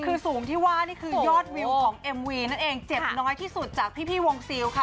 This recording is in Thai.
คือสูงที่ว่านี่คือยอดวิวของเอ็มวีนั่นเองเจ็บน้อยที่สุดจากพี่วงซิลค่ะ